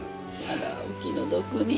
あらお気の毒に。